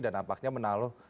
dan nampaknya menaluh